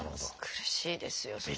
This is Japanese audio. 苦しいですよそれ。